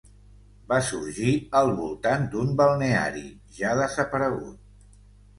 Va sorgir al voltant d'un balneari, ja desaparegut.